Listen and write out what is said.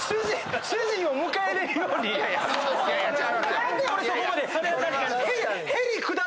何で俺そこまで。